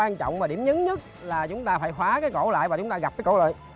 cái quan trọng mà điểm nhấn nhất là chúng ta phải khóa cái cổ lại và chúng ta gặp cái cổ lại